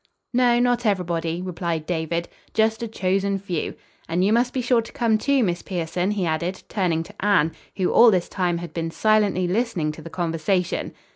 "No, not everybody," replied David. "Just a chosen few. And you must be sure to come, too, Miss Pierson," he added, turning to Anne, who, all this time, had been silently listening to the conversation.